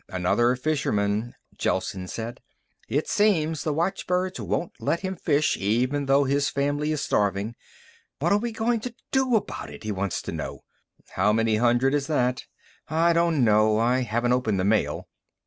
"Another fisherman," Gelsen said. "It seems the watchbirds won't let him fish even though his family is starving. What are we going to do about it, he wants to know." "How many hundred is that?" "I don't know. I haven't opened the mail."